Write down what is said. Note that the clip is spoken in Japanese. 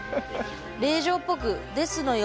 令嬢っぽく「ですのよ」